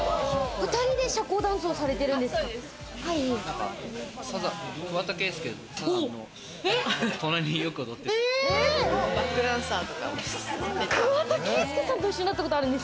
２人で社交ダンスをされてるそうです。